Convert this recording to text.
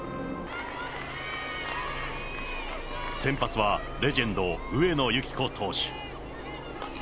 先発はレジェンド、上野由岐子投手。